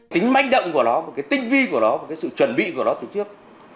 tính manh động của nó tinh vi của nó sự chuẩn bị của nó từ trước